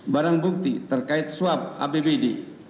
barang bukti terkait swab abbd